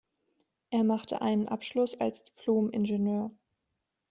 Er machte einen Abschluss als Diplom-Ingenieur.